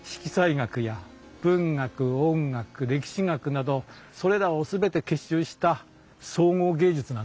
学や文学音楽歴史学などそれらを全て結集した総合芸術なんです。